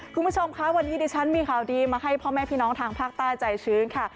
คุณผู้ชมคะวันนี้ดิฉันมีข่าวดีมาให้พ่อแม่พี่น้องทางภาคใต้ใจชื้นค่ะ